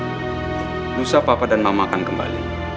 berusaha papa dan mama akan kembali